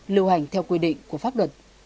lưu hành theo quy định của pháp luật